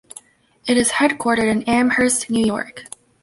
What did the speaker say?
It is headquartered in Amherst, New York.